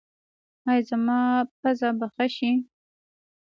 ایا زما پوزه به ښه شي؟